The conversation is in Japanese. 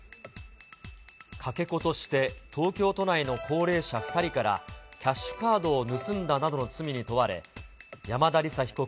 かけ子として東京都内の高齢者２人からキャッシュカードを盗んだなどの罪に問われ、山田李沙被告